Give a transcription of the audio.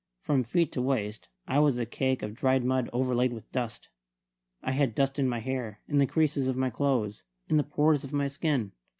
From feet to waist I was a cake of dried mud overlaid with dust. I had dust in my hair, in the creases of my clothes, in the pores of my skin.